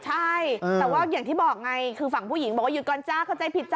ใช่แต่ว่าอย่างที่บอกไงคือฝั่งผู้หญิงบอกว่าหยุดก่อนจ้าเข้าใจผิดจ้